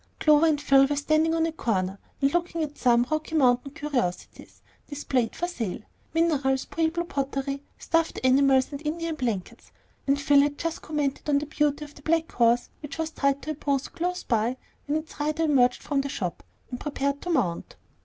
Clover and Phil were standing on a corner, looking at some "Rocky Mountain Curiosities" displayed for sale, minerals, Pueblo pottery, stuffed animals, and Indian blankets; and Phil had just commented on the beauty of a black horse which was tied to a post close by, when its rider emerged from a shop, and prepared to mount.